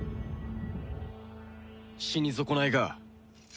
死に損ないが。